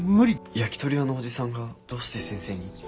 焼きとり屋のおじさんがどうして先生に？